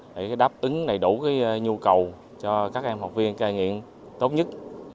để đáp ứng đầy đủ nhu cầu cho các em học viên cai nghiện tốt nhất